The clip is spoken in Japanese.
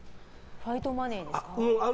ファイトマネーですか。